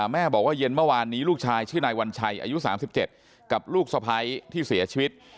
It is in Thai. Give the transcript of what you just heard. แม่บอกว่าเย็นเมื่อวานนี้ลูกชายชื่อนายวัญชัยอายุ๓๗กับลูกสะพ้ายที่เสียชีวิต